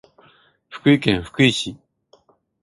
福井県福井市